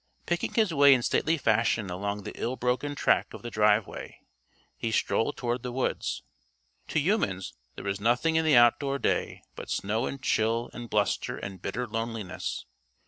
Picking his way in stately fashion along the ill broken track of the driveway, he strolled toward the woods. To humans there was nothing in the outdoor day but snow and chill and bluster and bitter loneliness.